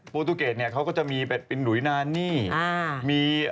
ปอล์ทูเกจเขาก็จะมีเป็นหุยนานี